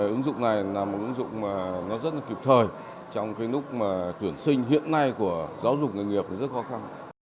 ứng dụng này là một ứng dụng mà nó rất là kịp thời trong cái lúc mà tuyển sinh hiện nay của giáo dục nghề nghiệp thì rất khó khăn